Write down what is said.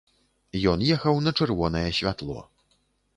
Ён ехаў на чырвонае святло.